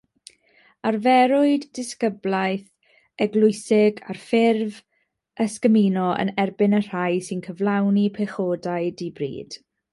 Arferwyd disgyblaeth eglwysig ar ffurf ysgymuno yn erbyn y rhai sy'n cyflawni pechodau dybryd.